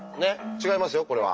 違いますよこれは。